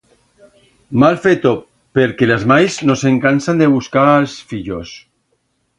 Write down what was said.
Mal feto, perque las mais no se'n cansan de buscar a'ls fillos.